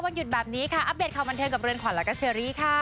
วันหยุดแบบนี้ค่ะอัพเดทของบรรเทิร์นกับเรือนขวัญแล้วก็เชอรี่ค่ะ